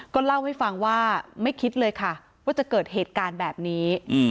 ก็เล่าให้ฟังว่าไม่คิดเลยค่ะว่าจะเกิดเหตุการณ์แบบนี้